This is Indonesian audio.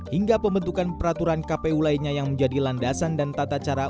hingga pembentukan peraturan kpu lainnya yang menjadi landasan dan tata cara